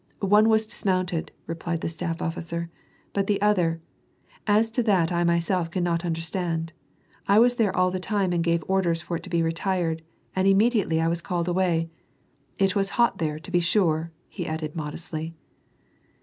" One was dismounted," replied the staff officer ;" but the other— as to that I myself cannot understand; I was there all the time and gave orders for it to be retired, and immedi ately I was called away. It was hot there, to be sure," he added modestly.